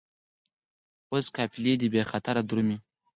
اوس قافلې دي بې خطره درومي